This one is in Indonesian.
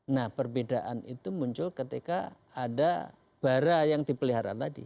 nah perbedaan itu muncul ketika ada bara yang dipelihara tadi